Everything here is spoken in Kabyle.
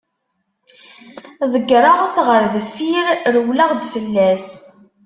Deggreɣ-t ɣer deffir, rewleɣ-d fell-as.